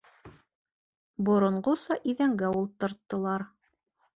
Боронғоса иҙәнгә ултырттылар.